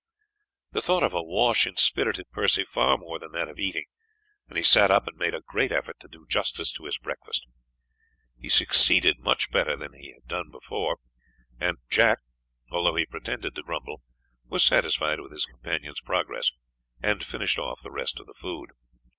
The thought of a wash inspirited Percy far more than that of eating, and he sat up and made a great effort to do justice to breakfast. He succeeded much better than he had done the night before, and Jack, although he pretended to grumble, was satisfied with his companion's progress, and finished off the rest of the food.